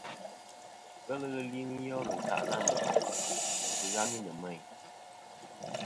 Ghelɨ ghɨ li nɨn yelɨ ɨ̀nkâʼ nâ mèyn sɨ dyeyn tɨghami nɨ̀ mêyn.